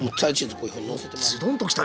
こういうふうにのせて。